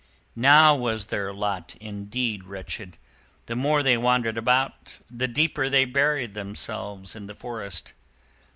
Now was their lot indeed wretched; the more they wandered about, the deeper they buried themselves in the forest.